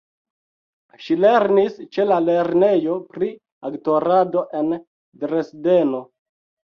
Ŝi lernis ĉe la lernejo pri aktorado en Dresdeno.